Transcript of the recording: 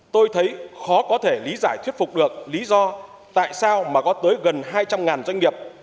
tôi thấy khó có thể lý giải thuyết phục được lý do tại sao mà có tới gần hai trăm linh doanh nghiệp